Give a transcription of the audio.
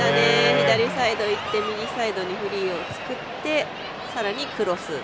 左サイドいって右サイドにフリーを作ってさらにクロス。